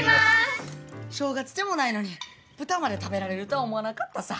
正月でもないのに豚まで食べられるとは思わなかったさ。